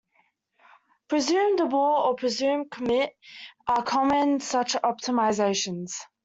"Presumed abort" or "Presumed commit" are common such optimizations.